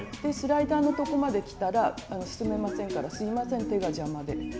スライダーのとこまできたら進めませんからすいません手が邪魔で。